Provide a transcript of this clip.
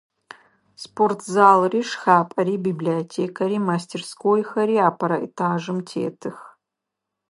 Спортзалри, шхапӏэри, библиотекэри, мастерскойхэри апэрэ этажым тетых.